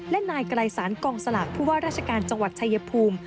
และนายไกรสารกองสลากผู้ว่าราชการจังหวัดชายภูมิ